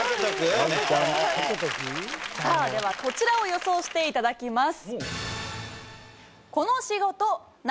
さあではこちらを予想して頂きます。